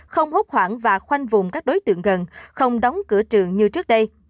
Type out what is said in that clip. không hốt hoảng và khoanh vùng các đối tượng gần không đóng cửa trường như trước đây